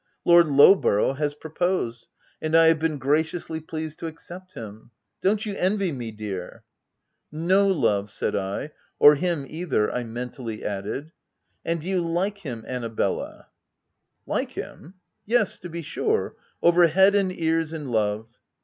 " Lord Lowborough has proposed, and I have been graciously pleased to accept him. Don't you envy me, dear ?" "No, love," said I— "or him either," I men tally added. " And do you like him Anna bella?" "Like him ! yes, to be sure — over head and ears in love